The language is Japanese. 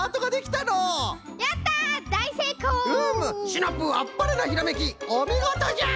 シナプーあっぱれなひらめきおみごとじゃ！